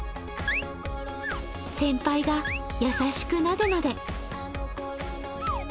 先輩が優しくなでなで。